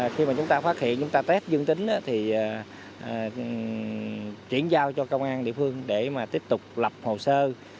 khi mà chúng ta phát hiện chúng ta test dương tính thì chuyển giao cho công an địa phương để mà tiếp tục lập hồ sơ